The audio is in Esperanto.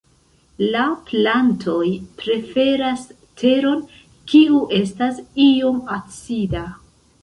La plantoj preferas teron, kiu estas iom acida.